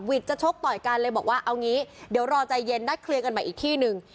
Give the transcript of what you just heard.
จะชกต่อยกันเลยบอกว่าเอางี้เดี๋ยวรอใจเย็นนัดเคลียร์กันใหม่อีกที่หนึ่ง